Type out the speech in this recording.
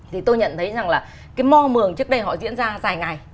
thì tôi nhận thấy rằng là cái mò mường trước đây họ diễn ra dài ngày